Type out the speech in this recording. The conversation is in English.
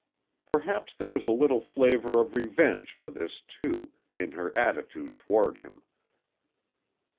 Perhaps there was a little flavor of revenge for this, too, in her attitude toward him.